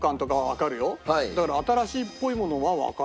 だから新しいっぽいものはわからない。